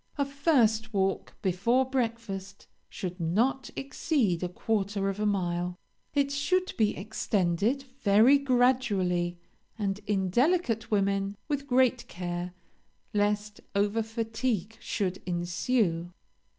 A first walk before breakfast should not exceed a quarter of a mile; it should be extended, very gradually, and, in delicate women, with great care, lest over fatigue should ensue.